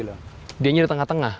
jadi dia ini ada di tengah tengah